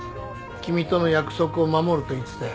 君との約束を守ると言ってたよ。